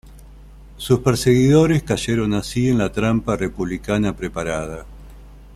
Sus perseguidores cayeron así en la trampa republicana preparada.